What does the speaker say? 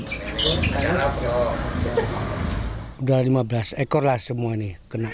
sudah lima belas ekor lah semua ini